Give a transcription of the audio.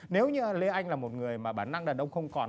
nếu như lê anh là một người mà bản năng đàn ông không còn